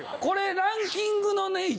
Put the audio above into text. これランキングのね